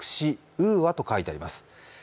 ＵＡと書いてあります。